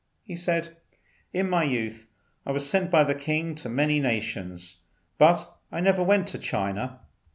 He said, "In my youth I was sent by the king among many nations, but I never went to China.